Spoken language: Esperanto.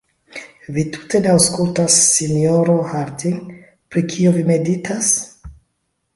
Vi tute ne aŭskultas, sinjoro Harding; pri kio vi meditas?